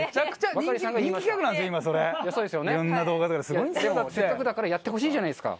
中丸：せっかくだからやってほしいじゃないですか。